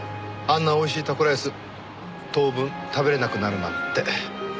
あんなおいしいタコライス当分食べられなくなるなんて。